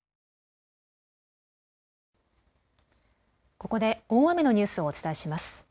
ここで大雨のニュースをお伝えします。